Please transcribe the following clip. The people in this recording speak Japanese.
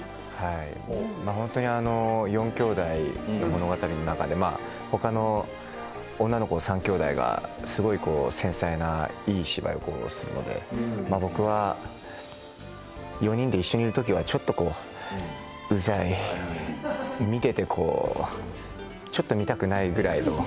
本当に４兄妹の物語の中でほかの女の子３きょうだいがすごい繊細ないい芝居をするので僕は４人で一緒にいるときはちょっとうざい見ていて、ちょっと見たくないぐらいの。